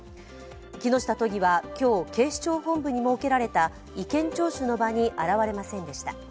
木下都議は今日、警視庁本部に設けられた意見聴取の場に現れませんでした。